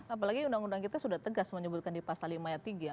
apalagi undang undang kita sudah tegas menyebutkan di pasal lima ayat tiga